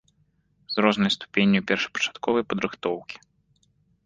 З рознай ступенню першапачатковай падрыхтоўкі.